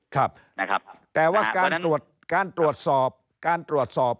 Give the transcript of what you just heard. ครับนะครับแต่ว่าการตรวจการตรวจสอบการตรวจสอบ